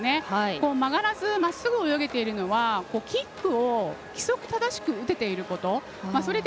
曲がらずまっすぐ泳げているのはキックを規則正しく打てていること。